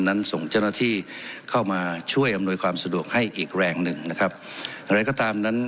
นั้นส่งเจ้าหน้าที่เข้ามาช่วยอำนวยความสะดวกให้อีกแรงหนึ่งนะครับอะไรก็ตามนั้น